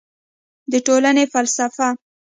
د ټولنې فلسفه